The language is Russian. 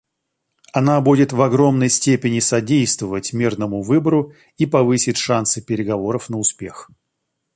Она будет в огромной степени содействовать мирному выбору и повысит шансы переговоров на успех.